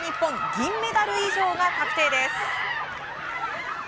銀メダル以上が確定です。